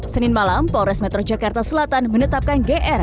senin malam polres metro jakarta selatan menetapkan gr